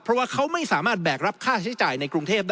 เพราะว่าเขาไม่สามารถแบกรับค่าใช้จ่ายในกรุงเทพได้